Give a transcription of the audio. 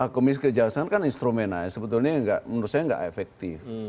komisi kejaksaan kan instrumen aja sebetulnya menurut saya nggak efektif